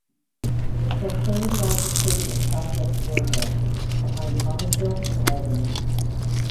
It is the third largest city in Southwest Georgia, behind Thomasville and Albany.